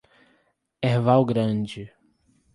Erval Grande